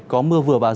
có mưa vừa và giảm